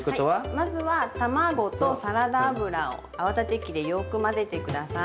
まずは卵とサラダ油を泡立て器でよく混ぜて下さい。